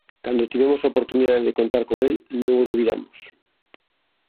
Cando tivemos a oportunidade de contar con el, non o dubidamos.